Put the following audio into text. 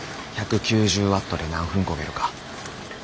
１９０ワットで何分こげるか。